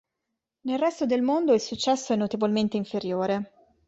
Nel resto del mondo il successo è notevolmente inferiore.